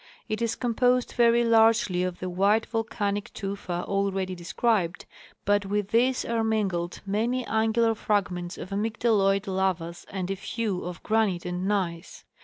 It is composed very largely of the white volcanic tufa already described, but with this are min gled many angular fragments of amygdaloid lavas and a few of granite and gneiss.